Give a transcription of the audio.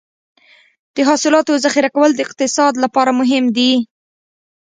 د حاصلاتو ذخیره کول د اقتصاد لپاره مهم دي.